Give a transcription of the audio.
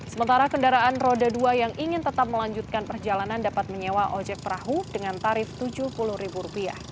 sementara kendaraan roda dua yang ingin tetap melanjutkan perjalanan dapat menyewa ojek perahu dengan tarif rp tujuh puluh